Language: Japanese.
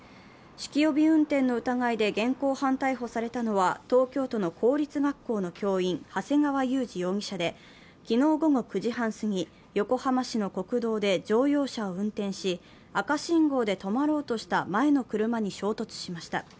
酒気帯び運転の疑いで現行犯逮捕されたのは、東京都の公立学校の教員、長谷川雄司容疑者で、昨日午後９時半過ぎ、横浜市の国道で乗用車を運転し、赤信号で止まろうとした前の車に衝突しました。